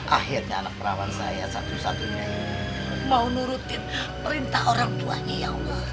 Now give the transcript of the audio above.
akhirnya anak perawan saya satu satunya ini mau nurutin perintah orang tuanya ya allah